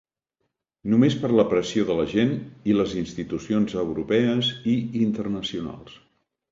Només per la pressió de la gent, i les institucions europees i internacionals.